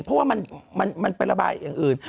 เพราะว่ามันไประบายอย่างอื่น